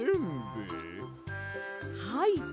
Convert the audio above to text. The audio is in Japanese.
はい！